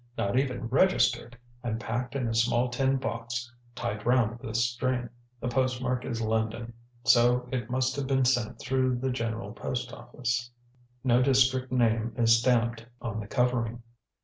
Not even registered, and packed in a small tin box tied round with string. The postmark is London, so it must have been sent through the General Post Office. No district name is stamped on the covering.